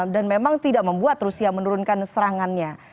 dan memang tidak membuat rusia menurunkan serangannya